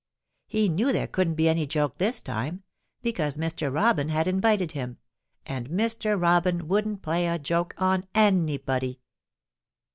He knew there couldn't be any joke this time, because Mr. Robin had invited him, and Mr. Robin wouldn't play a joke on anybody.